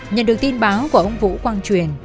nhận được tin báo của ông vũ quang truyền